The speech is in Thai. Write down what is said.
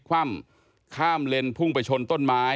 คว่ำข้ามเลนพุ่งไปชนต้นไม้